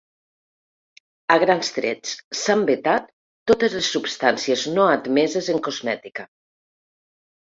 A grans trets, s’han vetat totes les substàncies no admeses en cosmètica.